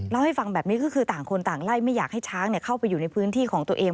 เล่าให้ฟังแบบนี้ก็คือต่างคนต่างไล่ไม่อยากให้ช้างเข้าไปอยู่ในพื้นที่ของตัวเอง